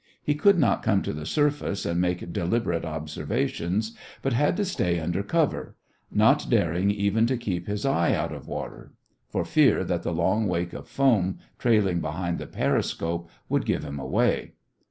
He could not come to the surface and make deliberate observations, but had to stay under cover, not daring even to keep his eye out of water, for fear that the long wake of foam trailing behind the periscope would give him away.